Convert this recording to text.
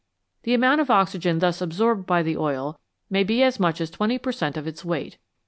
The amount of oxygen thus absorbed by the oil may be as much as twenty per cent, of its weight.